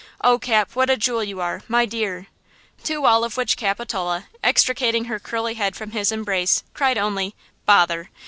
Oh, Cap, what a jewel you are–my dear!" To all of which Capitola, extricating her curly head from his embrace, cried only: "Bother!"